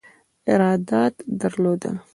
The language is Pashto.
ارادت درلود.